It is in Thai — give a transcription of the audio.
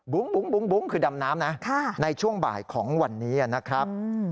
บุ้งคือดำน้ำนะในช่วงบ่ายของวันนี้นะครับ